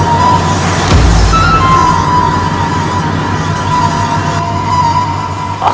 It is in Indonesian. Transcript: jangan ganggu dia